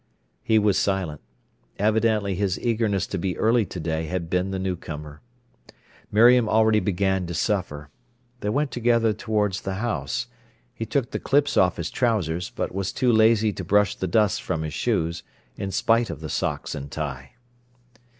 He was silent. Evidently his eagerness to be early to day had been the newcomer. Miriam already began to suffer. They went together towards the house. He took the clips off his trousers, but was too lazy to brush the dust from his shoes, in spite of the socks and tie.